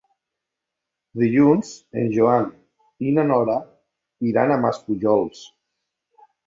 Dilluns en Joan i na Nora iran a Maspujols.